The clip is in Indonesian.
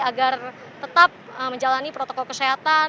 agar tetap menjalani protokol kesehatan